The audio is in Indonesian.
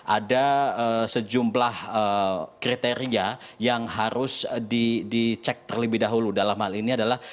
ada sejumlah kriteria yang harus dicek terlebih dahulu dalam hal ini adalah